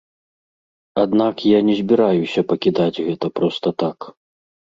Аднак я не збіраюся пакідаць гэта проста так.